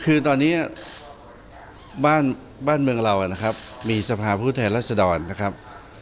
คือตอนนี้บ้านบ้านเมืองเรานะครับมีสภาพฤทธิรัสดรนะครับ